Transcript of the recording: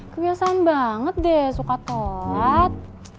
kebiasaan banget deh suka kolat